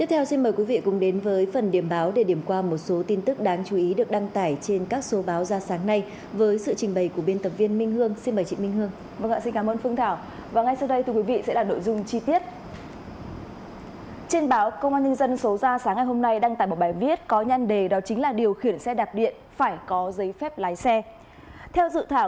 hãy đăng ký kênh để ủng hộ kênh của mình nhé